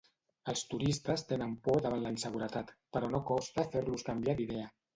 Els turistes tenen por davant la inseguretat però no costa fer-los canviar d'idea.